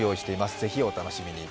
ぜひお楽しみに。